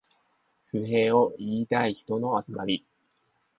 不平を言いたい人の集まり